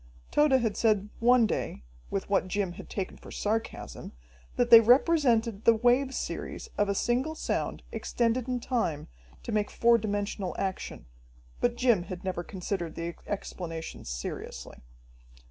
Tode had said one day, with what Jim had taken for sarcasm, that they represented the wave series of a single sound extended in time to make four dimensional action, but Jim had never considered the explanation seriously.